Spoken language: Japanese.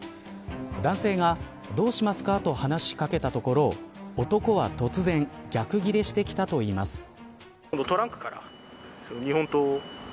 男性が、どうしますかと話し掛けたところ男は突然逆ギレしてきたといいます。